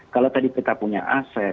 kalau tadi kita punya aset